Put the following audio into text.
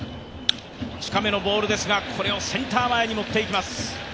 近めのボールをセンター前に持っていきます。